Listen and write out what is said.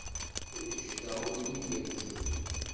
Anect-a ur iyi-yerzi.